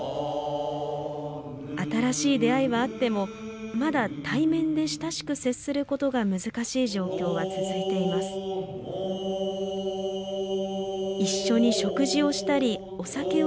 新しい出会いはあってもまだ対面で親しく接することが難しい状況は続いています。